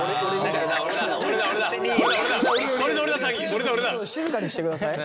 ちょっと静かにしてください。